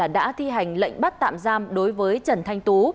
đã thi hành lệnh bắt tạm giam đối với trần thanh tú